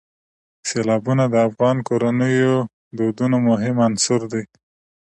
سیلابونه د افغان کورنیو د دودونو مهم عنصر دی.